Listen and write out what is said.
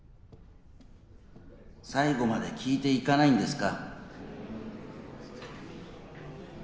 最後まで聞いていかないんですか？